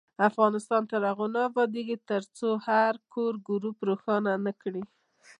افغانستان تر هغو نه ابادیږي، ترڅو هر کور ګروپ روښانه نکړي.